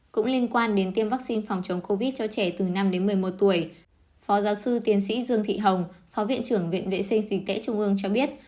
cũng liên quan đến tiêm vaccine phòng chống covid cho trẻ từ năm đến một mươi một tuổi phó giáo sư tiến sĩ dương thị hồng phó viện trưởng viện vệ sinh dịch tễ trung ương cho biết